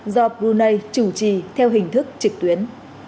do brunei chủ trì theo hình thức trực tuyến